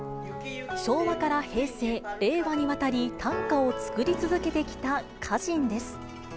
昭和から平成、令和にわたり、短歌を作り続けてきた歌人です。